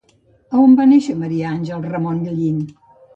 A on va néixer Maria Àngels Ramón-Llin?